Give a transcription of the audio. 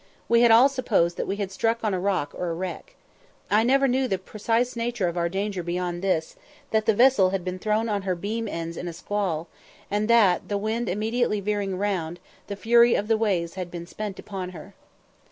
We had all supposed that we had struck on a rock or wreck. I never knew the precise nature of our danger beyond this, that the vessel had been thrown on her beam ends in a squall, and that, the wind immediately veering round, the fury of the waves had been spent upon her.